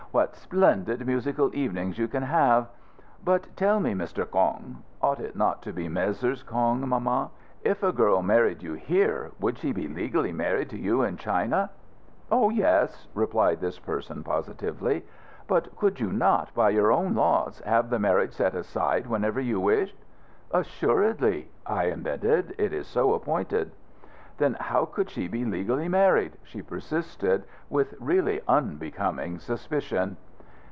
"What splendid musical evenings you can have. But tell me, Mr. Kong (ought it not to be Messrs. Kong, mamma?), if a girl married you here would she be legally married to you in China?" "Oh yes," replied this person positively. "But could you not, by your own laws, have the marriage set aside whenever you wished?" "Assuredly," I admitted. "It is so appointed." "Then how could she be legally married?" she persisted, with really unbecoming suspicion.